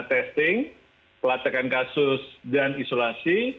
testing pelacakan kasus dan isolasi